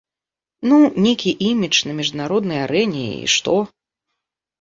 Ну, нейкі імідж на міжнароднай арэне, і што?